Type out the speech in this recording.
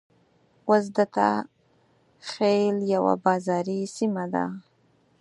اوس دته خېل يوه بازاري سيمه ده.